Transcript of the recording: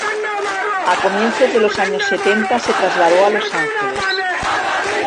A comienzos de los años setenta, se trasladó a Los Ángeles.